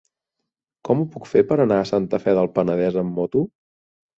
Com ho puc fer per anar a Santa Fe del Penedès amb moto?